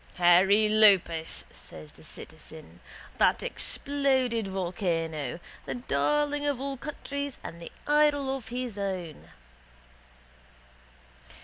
—Hairy Iopas, says the citizen, that exploded volcano, the darling of all countries and the idol of his own.